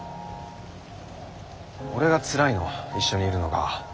俺がつらいの一緒にいるのが。